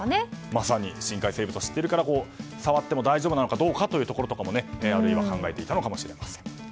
まさに深海生物を知っているから触っても大丈夫かどうかというところも考えていたのかもしれません。